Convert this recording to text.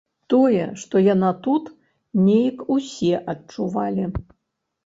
Тое, што яна тут, нейк усе адчувалі.